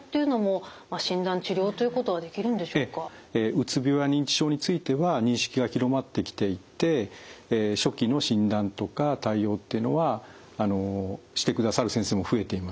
うつ病や認知症については認識が広まってきていて初期の診断とか対応というのはしてくださる先生も増えていますし。